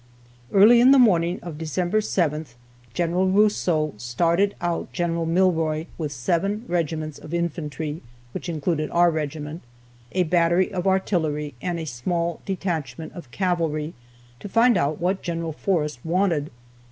Early in the morning of December 7th, General Rousseau started out General Milroy with seven regiments of infantry, (which included our regiment,) a battery of artillery, and a small detachment of cavalry, to find out what Gen. Forrest wanted.